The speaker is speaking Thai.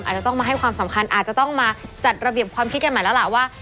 อาจจะต้องมาให้ความสำคัญอาจจะต้องมาจัดระเบียบความคิดกันใหม่แล้วล่ะว่า